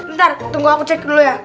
ntar tunggu aku cek dulu ya